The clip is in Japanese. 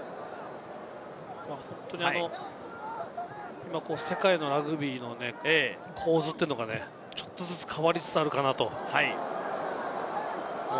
本当に世界のラグビーの構図というのがちょっとずつ変わりつつあるかなと。